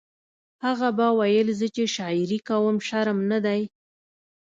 هغه به ویل زه چې شاعري کوم شرم نه دی